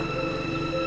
ya udah kupersetup essence